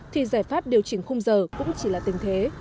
thì giải pháp điều chỉnh khung giờ cũng chỉ là tình thế